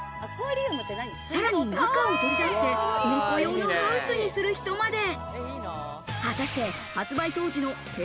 さらに中を取り出して、猫用のハウスにする人まで。